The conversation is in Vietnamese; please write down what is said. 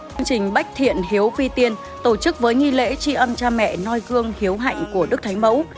công trình bách thiện hiếu vi tiên tổ chức với nghi lễ tri ân cha mẹ noi gương hiếu hạnh của đức thánh mẫu